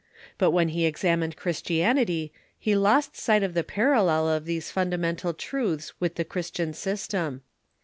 But when he examined Christianity, he lost sight of the parallel of these fundamental truths with the Christian system.